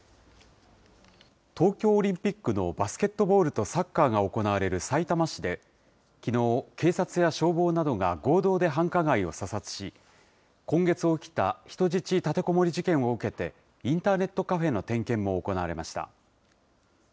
東京オリンピックのバスケットボールとサッカーが行われるさいたま市で、きのう、警察や消防などが合同で繁華街を査察し、今月起きた人質立てこもり事件を受けて、インターネットカフェの点検も行われました。